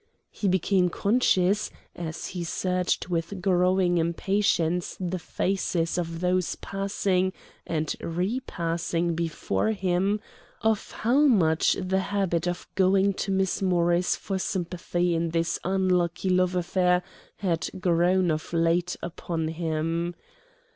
He became conscious, as he searched with growing impatience the faces of those passing and repassing before him, of how much the habit of going to Miss Morris for sympathy in his unlucky love affair had grown of late upon him.